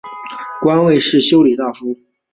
官位是修理大夫。